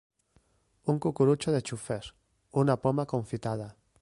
Un cucurutxo de xufes, una poma confitada.